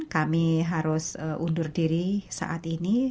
kami harus undur diri saat ini